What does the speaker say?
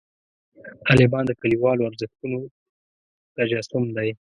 طالبان د کلیوالو ارزښتونو تجسم دی.